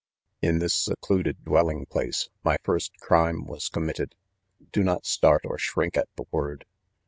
4 In this secluded dwelling place my first crime was committed — do not start or shrink at the word